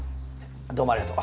どうもありがとう。